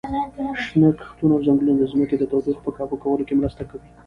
شنه کښتونه او ځنګلونه د ځمکې د تودوخې په کابو کولو کې مرسته کوي.